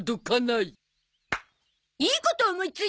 いいこと思いついたゾ！